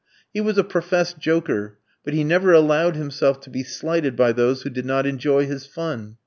He was a professed joker, but he never allowed himself to be slighted by those who did not enjoy his fun.